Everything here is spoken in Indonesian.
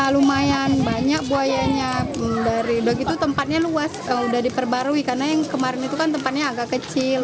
lumayan banyak buayanya tempatnya luas sudah diperbarui karena yang kemarin itu tempatnya agak kecil